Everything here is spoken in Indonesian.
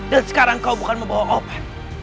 dan sekarang kau bukan membawa opan